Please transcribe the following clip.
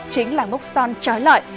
chính là mốc son trói lợi